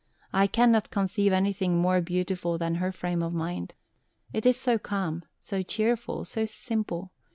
I cannot conceive anything more beautiful than her frame of mind. It is so calm, so cheerful, so simple.